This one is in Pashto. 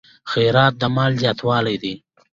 خیرات د مال زیاتوالی دی.